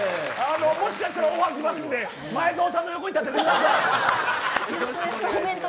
もしかしたらオファーきますので前園さんの横に立ってください。